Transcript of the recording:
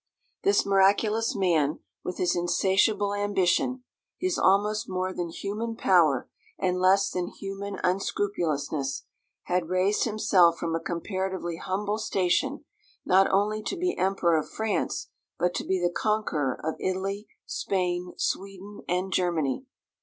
This miraculous man, with his insatiable ambition, his almost more than human power and less than human unscrupulousness, had raised himself from a comparatively humble station, not only to be Emperor of France, but to be the conqueror of Italy, Spain, Sweden, and Germany.